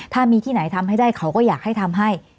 ถ้ามีที่ไหนทำให้ได้เขาก็อยากให้ทำให้